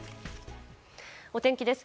お天気です。